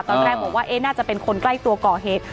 ตอนแรกบอกว่าน่าจะเป็นคนใกล้ตัวก่อเหตุ